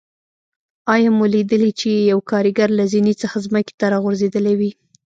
آیا مو لیدلي چې یو کاریګر له زینې څخه ځمکې ته راغورځېدلی وي.